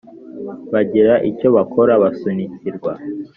Bagira icyo bakora basunikirwa